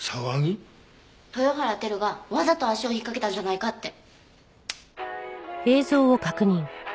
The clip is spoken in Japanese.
豊原輝がわざと足を引っかけたんじゃないかって。